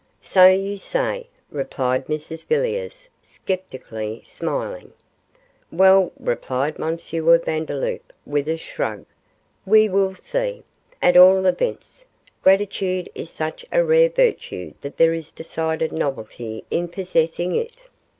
'So you say,' replied Mrs Villiers, sceptically smiling. 'Well,' replied M. Vandeloup, with a shrug, 'we will see at all events, gratitude is such a rare virtue that there is decided novelty in possessing it.